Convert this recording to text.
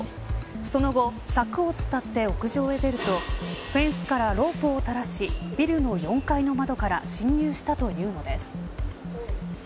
その後、柵を伝って屋上へ出るとフェンスからロープを垂らしビルの４階の窓から侵入したというのです。